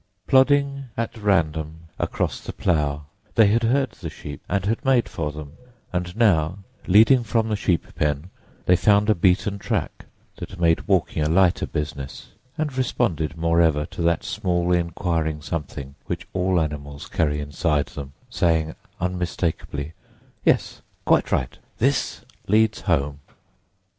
Plodding at random across the plough, they had heard the sheep and had made for them; and now, leading from the sheep pen, they found a beaten track that made walking a lighter business, and responded, moreover, to that small inquiring something which all animals carry inside them, saying unmistakably, "Yes, quite right; this leads home!"